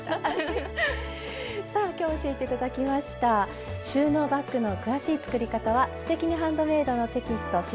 さあ今日教えて頂きました「収納バッグ」の詳しい作り方は「すてきにハンドメイド」のテキスト